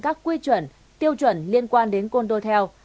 các quy chuẩn tiêu chuẩn liên quan đến condotel